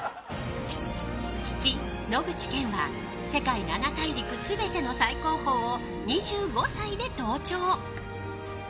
父・野口健は世界七大陸全ての最高峰を２５歳で登頂。